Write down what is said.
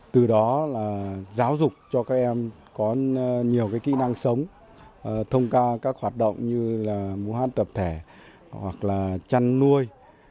từ đó là giáo dục cho các em có nhiều cái kỹ năng sống thông ca các hoạt động như là mũ hát tập thể hoặc là chăn nuôi